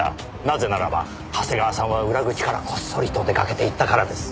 なぜならば長谷川さんは裏口からこっそりと出かけていったからです。